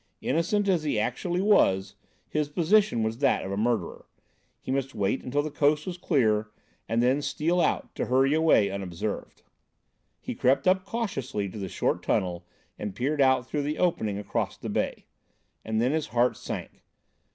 Innocent as he actually was, his position was that of a murderer. He must wait until the coast was clear, and then steal out, to hurry away unobserved. He crept up cautiously to the short tunnel and peered out through the opening across the bay. And then his heart sank.